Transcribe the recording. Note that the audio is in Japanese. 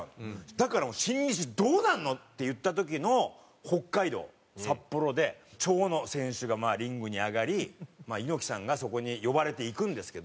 だから新日どうなるの？っていった時の北海道札幌で蝶野選手がリングに上がり猪木さんがそこに呼ばれて行くんですけど。